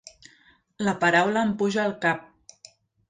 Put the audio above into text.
La paraula em puja al cap.